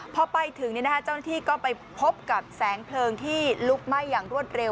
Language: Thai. พอไปถึงเจ้าหน้าที่ก็ไปพบกับแสงเพลิงที่ลุกไหม้อย่างรวดเร็ว